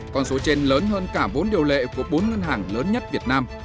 con số trên lớn hơn cả vốn điều lệ của bốn ngân hàng